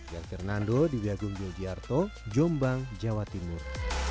ger fernando di biagung yogyarto jombang jawa timur